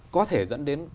có thể dẫn đến